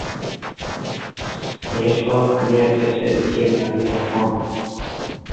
এরপর তিনি এসেক্সের দিকে ধাবিত হন।